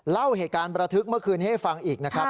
เล่าเหตุการณ์ประทึกเมื่อคืนนี้ให้ฟังอีกนะครับ